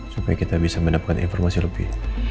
supaya kita bisa mendapatkan informasi lebih